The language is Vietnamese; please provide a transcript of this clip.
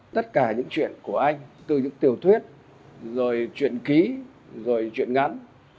tất cả những chuyện của anh từ những tiểu thuyết rồi chuyện ký rồi chuyện ngắn